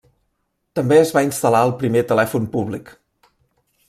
També es va instal·lar el primer telèfon públic.